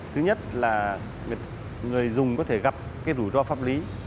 thứ nhất là người dùng có thể gặp cái rủi ro pháp lý